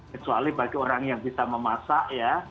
kecuali bagi orang yang bisa memasak ya